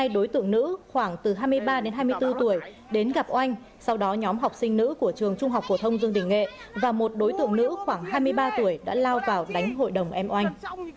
đến gặp oanh sau đó nhóm học sinh nữ của trường trung học của thông dương đình nghệ và một đối tượng nữ khoảng hai mươi ba tuổi đã lao vào đánh hội đồng em oanh